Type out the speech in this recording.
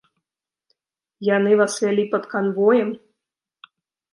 Яны вас вялі пад канвоем?